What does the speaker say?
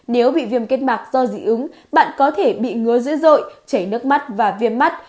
nếu bị viêm kết mạc do dị ứng bạn có thể bị ngứa dữ dội chảy nước mắt và viêm mắt